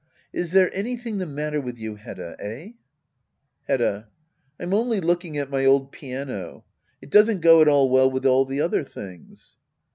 "] Is tnere anything the matter with you^ Hedda ? Eh ? Hedda. I'm only looking at my old piano. It doesn't go at all well with all the other things.